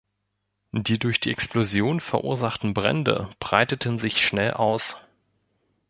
Die durch die Explosion verursachten Brände breiteten sich schnell aus.